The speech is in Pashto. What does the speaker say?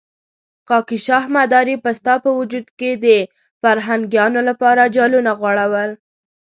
خاکيشاه مداري به ستا په وجود کې د فرهنګيانو لپاره جالونه غوړول.